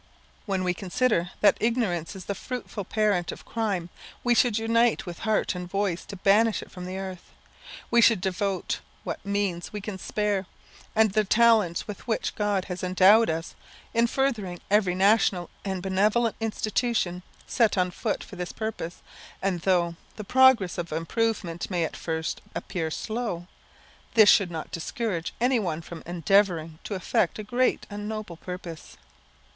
When we consider that ignorance is the fruitful parent of crime, we should unite with heart and voice to banish it from the earth. We should devote what means we can spare, and the talents with which God has endowed us, in furthering every national and benevolent institution set on foot for this purpose; and though the progress of improvement may at first appear slow, this should not discourage any one from endeavouring to effect a great and noble purpose.